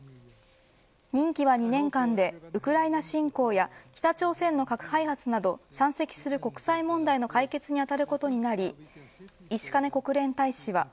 任期は２年間でウクライナ侵攻や北朝鮮の核開発など、山積する国際問題の解決に当たることになり石兼国連大使は。